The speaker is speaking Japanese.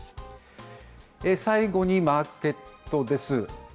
最後にマーケットです。